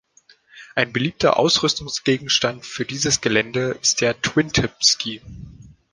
Eine beliebter Ausrüstungsgegenstand für dieses Gelände ist der Twintip-Ski.